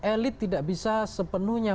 elit tidak bisa sepenuhnya